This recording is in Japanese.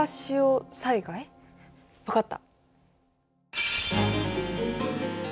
分かった。